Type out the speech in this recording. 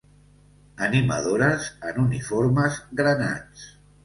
Animadores en uniformes granats.